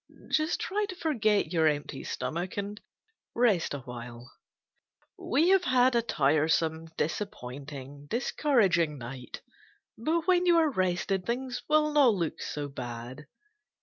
Just try to forget your empty stomach and rest awhile. We have had a tiresome, disappointing, discouraging night, but when you are rested things will not look quite so bad.